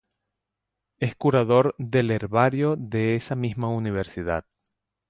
Es curador del herbario de esa misma universidad.